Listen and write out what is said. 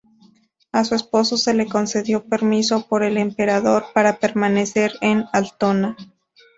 A su esposo se le concedió permiso por el emperador para permanecer en Altona.